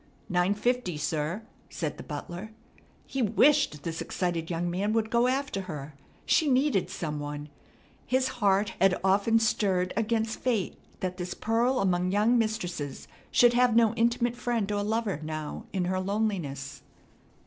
"Nine fifty, sir," said the butler. He wished this excited young man would go after her. She needed some one. His heart had often stirred against fate that this pearl among young mistresses should have no intimate friend or lover now in her loneliness.